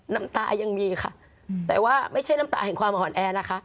น้ำตายังมีค่ะแต่ว่าไม่ใช่น้ำตาแห่งความอ่อนแอนะคะ